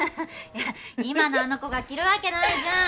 いや今のあの子が着るわけないじゃん！